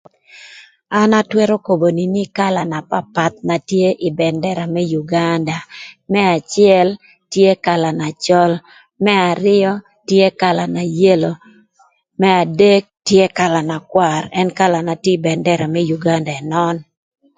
An atwërö kobo nïnï kala na papath na tye ï bëndëra më Uganda. Më acël tye kala na cöl, më arïö tye kala na yello, Me adek tye kala n'akwar. Ën kala na tye ï bëndëra më Uganda ënön.